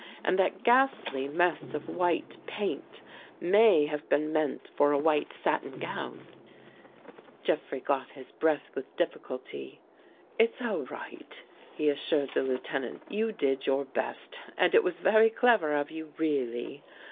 And that ghastly mess of white paint may have been meant for a white satin gown." 87 THE GHOST GIRL Jeffrey got his breath with difficulty. " It's all right," he assured the Lieutenant. " You did your best and it was very clever of you really."